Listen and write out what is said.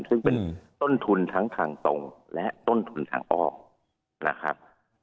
ซึ่งเป็นต้นทุนทั้งทางตรงและต้นทุนทางอ้อมนะครับ